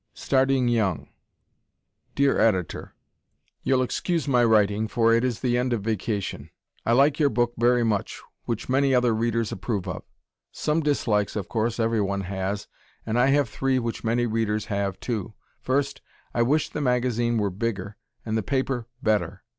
Starting Young Dear Editor: You'll excuse my writing, for it is the end of vacation. I like your book very much, which many other readers approve of. Some dislikes, of course, everyone has, and I have three which many readers have, too. First, I wish the magazine were bigger and the paper better.